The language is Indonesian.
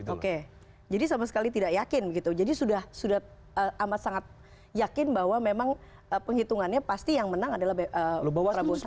oke jadi sama sekali tidak yakin gitu jadi sudah amat sangat yakin bahwa memang penghitungannya pasti yang menang adalah prabowo subianto